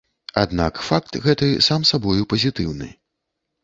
Аднак факт гэты сам сабою пазітыўны.